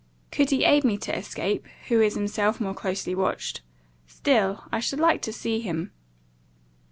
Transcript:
Could he aid me to escape, who is himself more closely watched? Still I should like to see him."